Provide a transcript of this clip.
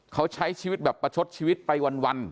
เขาใช้ชีวิตแบบประชดชีวิตไปวัน